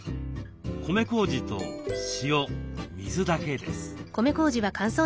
米こうじと塩水だけです。